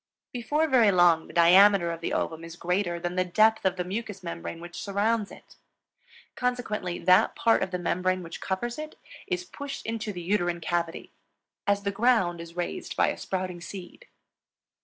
Before very long the diameter of the ovum is greater than the depth of the mucous membrane which surrounds it. Consequently that part of the membrane which covers it is pushed into the uterine cavity, as the ground is raised by a sprouting seed.